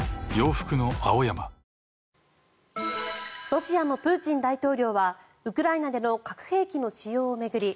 ロシアのプーチン大統領はウクライナでの核兵器の使用を巡り